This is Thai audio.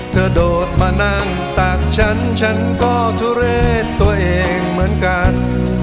โดดมานั่งตากฉันฉันก็ทุเรศตัวเองเหมือนกัน